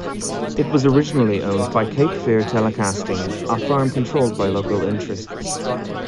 It was originally owned by Cape Fear Telecasting, a firm controlled by local interests.